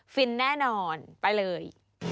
ฟินแน่นอนไปเลย